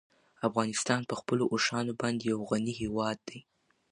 افغانستان په خپلو اوښانو باندې یو غني هېواد دی.